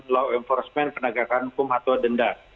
law enforcement penegakan hukum atau denda